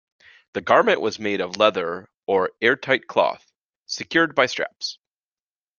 The garment was made of leather or airtight cloth, secured by straps.